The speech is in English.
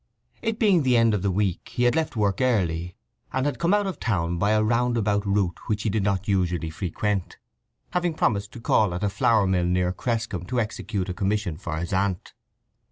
It being the end of the week he had left work early, and had come out of the town by a round about route which he did not usually frequent, having promised to call at a flour mill near Cresscombe to execute a commission for his aunt.